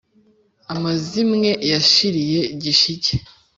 «amazimwe yashiriye gishike !»